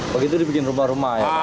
begitu dibikin rumah rumah ya